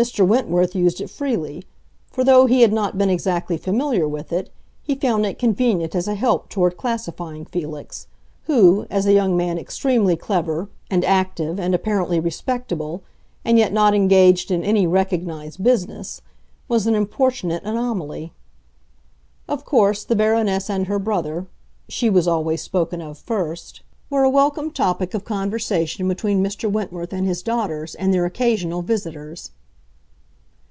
Mr. Wentworth used it freely; for though he had not been exactly familiar with it, he found it convenient as a help toward classifying Felix, who, as a young man extremely clever and active and apparently respectable and yet not engaged in any recognized business, was an importunate anomaly. Of course the Baroness and her brother—she was always spoken of first—were a welcome topic of conversation between Mr. Wentworth and his daughters and their occasional visitors.